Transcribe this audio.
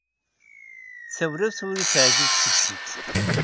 Tawlaft ur yi-teɛǧib seg-sent.